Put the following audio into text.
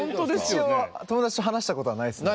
一応友達と話したことはないですね